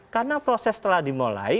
karena proses telah dimulai